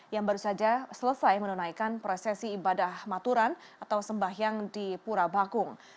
yang baru saja selesai menunaikan prosesi ibadah maturan atau sembahyang di pura bakung